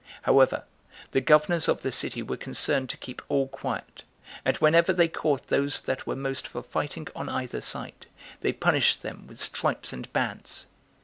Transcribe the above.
However, the governors of the city were concerned to keep all quiet, and whenever they caught those that were most for fighting on either side, they punished them with stripes and bands.